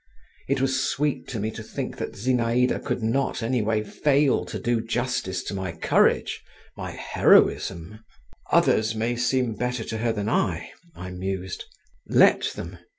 It was sweet to me to think that Zinaïda could not, anyway, fail to do justice to my courage, my heroism…. "Others may seem better to her than I," I mused, "let them!